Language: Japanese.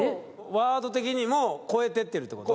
ワード的にも超えてってるってこと？